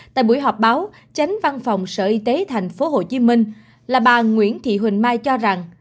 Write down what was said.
tại buổi họp báo tránh văn phòng sở y tế tp hcm là bà nguyễn thị huỳnh mai cho rằng